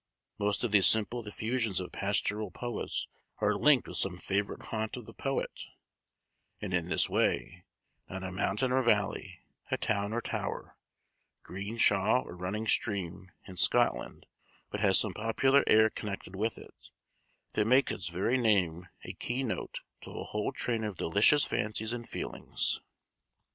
Most of these simple effusions of pastoral poets are linked with some favorite haunt of the poet; and in this way, not a mountain or valley, a town or tower, green shaw or running stream, in Scotland, but has some popular air connected with it, that makes its very name a key note to a whole train of delicious fancies and feelings.